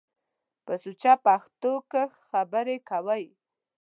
په سوچه پښتو کښ خبرې کوٸ۔